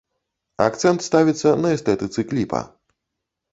Акцэнт ставіцца на эстэтыцы кліпа.